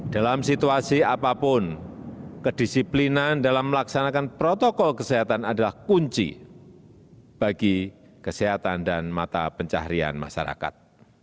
dalam situasi apapun kedisiplinan dalam melaksanakan protokol kesehatan adalah kunci bagi kesehatan dan mata pencaharian masyarakat